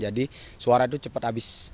jadi suara itu cepat habis